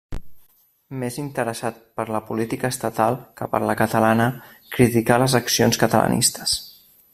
Més interessat per la política estatal que per la catalana, criticà les accions catalanistes.